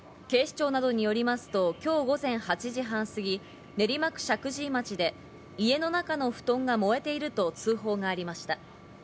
警視庁などによりますと今日午前８時半過ぎ、練馬区石神井町で家の中の布団が燃えていると通報がありました。